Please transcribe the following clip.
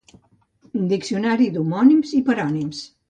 Diccionari d'homònims i parònims.